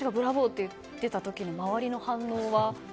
と言っていた時の周りの反応は？